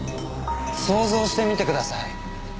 想像してみてください。